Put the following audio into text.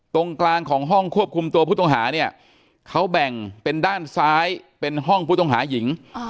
ตรงกลางของห้องควบคุมตัวผู้ต้องหาเนี่ยเขาแบ่งเป็นด้านซ้ายเป็นห้องผู้ต้องหาหญิง